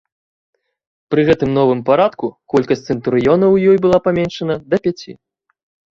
Пры гэтым новым парадку колькасць цэнтурыёнаў у ёй была паменшана да пяці.